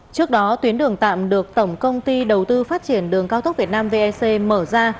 trước đó tuyến đường tạm được tổng công ty đầu tư phát triển đường cao tốc việt nam vec mở ra